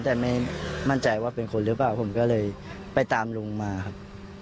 แต่ไม่มั่นใจว่าเป็นคนหรือเปล่าผมก็เลยไปตามลุงมาครับ